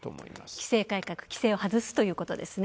規制改革、規制を外すということですね。